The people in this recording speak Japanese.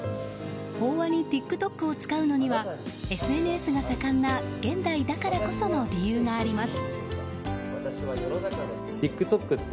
法話にＴｉｋＴｏｋを使うのにはＳＮＳが盛んな現代だからこその理由があります。